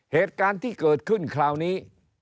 เหตุการณ์ที่เกิดขึ้นคราวนี้